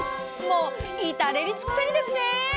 もう至れり尽くせりですね。